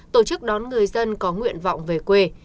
tổ chức đón người dân có nguyện vọng về quê